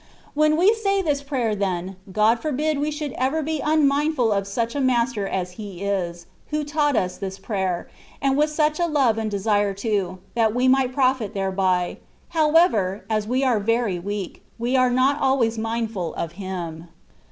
When we say this prayer then, God forbid we should ever be un mindftQ of such a master as He is, who taught us this prayer, and with such a love and desire too, that we might profit thereby ; however, as we are very weak, we are not always mindftd of Him.